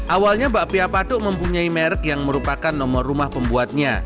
awalnya mbak pia patuk mempunyai merek yang merupakan nomor rumah pembuatnya